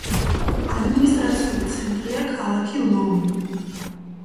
ადმინისტრაციული ცენტრია ქალაქი ლომი.